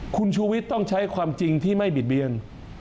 คุณชูวิทย์ต้องใช้ความจริงที่ไม่บิดเบียน